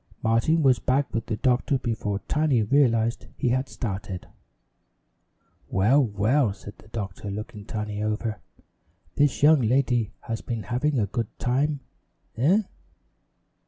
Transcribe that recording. Martin was back with the doctor before Tiny realized he had started. "Well, well," said the doctor, looking Tiny over, "this young lady has been having too good a time eh?"